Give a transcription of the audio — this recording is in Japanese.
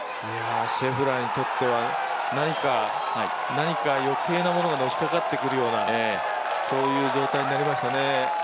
シェフラーにとっては、何か余計なものがのしかかってくるような状態になりましたね。